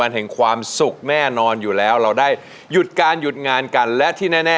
นักสู้ชิงล้าน